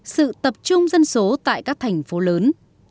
sự tập trung dân số tại các thành phố lớn